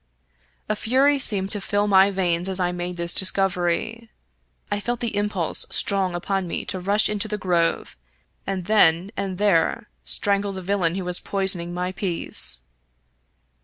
A fury seemed to fill my veins as I made this discovery. I felt the impulse strong upon me to rush into the grove, and then and there strangle the villain who was poisoning my peace.